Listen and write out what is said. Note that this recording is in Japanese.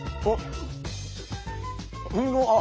あっ！